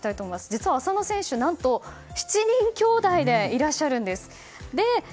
実は浅野選手何と７人きょうだいでいらっしゃるんです。